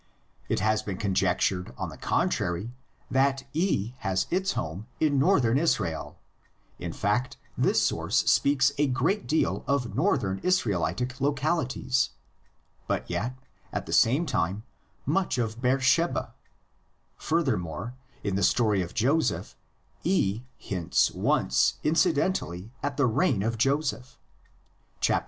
It has been conjectured on the contrary that E has its home in Northern Israel; in fact this source speaks a great deal of Northern Israelitic localities, but yet, at the same time, much of Beersheba; furthermore, in the story of Joseph E hints once incidentally at the reign of Joseph (xxxvii.